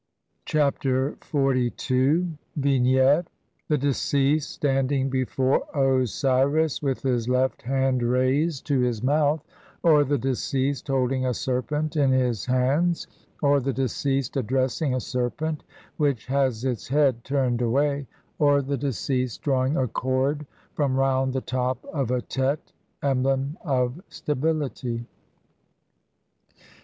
Chapter XLII. [From the Papyrus of Nu (Brit. Mus. No. 10,477, sheet 6).] Vignette : The deceased standing before Osiris with his left hand raised to his mouth ; or the deceased holding a serpent in his hands ; or the deceased addressing a serpent which has its head turned away ; or the deceased drawing a cord from round the top of a /<?/(?), emblem of stability.